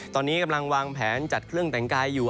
ตอนนี้กำลังวางแผนจัดเครื่องแต่งกายอยู่